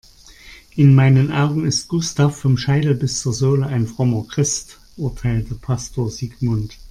In meinen Augen ist Gustav vom Scheitel bis zur Sohle ein frommer Christ, urteilte Pastor Sigmund.